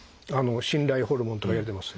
信頼ホルモンとか言われてます。